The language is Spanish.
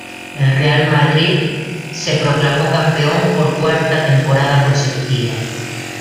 El Real Madrid se proclamó campeón por cuarta temporada consecutiva.